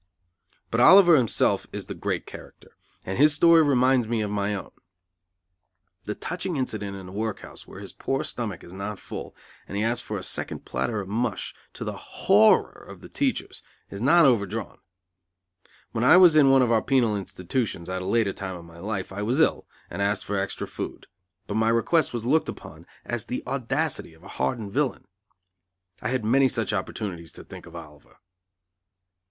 But Oliver himself is the great character, and his story reminds me of my own. The touching incident in the work house where his poor stomach is not full, and he asks for a second platter of mush to the horror of the teachers, is not overdrawn. When I was in one of our penal institutions, at a later time of my life, I was ill, and asked for extra food; but my request was looked upon as the audacity of a hardened villain. I had many such opportunities to think of Oliver.